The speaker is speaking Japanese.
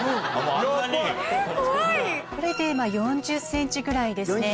これで４０ｃｍぐらいですね。